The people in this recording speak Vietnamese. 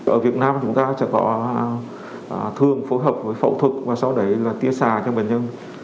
ở việt nam chúng ta sẽ có thường phối hợp với phẫu thuật và sau đấy là tia xạ cho bệnh nhân